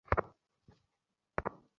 এটা নতুন জীবনের উদযাপনও ছিল।